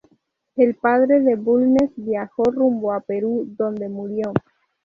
El padre de Bulnes viajó rumbo a Perú, donde murió.